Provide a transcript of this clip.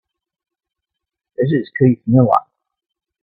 This is Keith Miller.